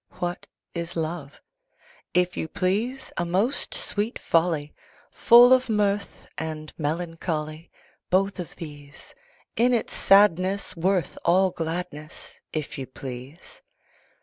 What is Love? If you please, A most sweet folly! Full of mirth and melancholy: Both of these! In its sadness worth all gladness, If you please!